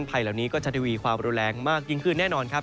ภัยเหล่านี้ก็จะทีวีความรุนแรงมากยิ่งขึ้นแน่นอนครับ